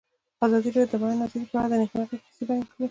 ازادي راډیو د د بیان آزادي په اړه د نېکمرغۍ کیسې بیان کړې.